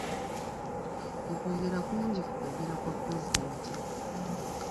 Okwogera kungi ku kwogera kwa pulezidenti.